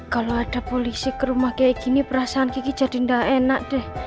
kalau ada polisi ke rumah seperti ini perasaan saya tidak enak